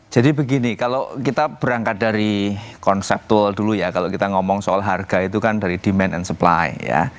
jadi begini kalau kita berangkat dari konsep tool dulu ya kalau kita ngomong soal harga itu kan dari demand and supply